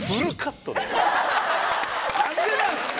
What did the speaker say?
何でなんすか！